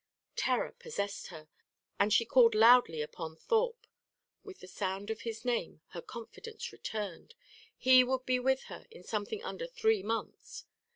Terror possessed her, and she called loudly upon Thorpe. With the sound of his name, her confidence returned. He would be with her in something under three months.